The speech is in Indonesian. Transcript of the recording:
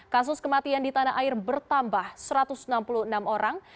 kasus kematian di tanah air bertambah satu ratus enam puluh enam orang